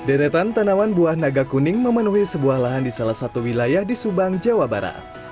deretan tanaman buah naga kuning memenuhi sebuah lahan di salah satu wilayah di subang jawa barat